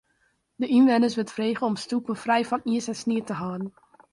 De ynwenners wurdt frege om stoepen frij fan iis en snie te hâlden.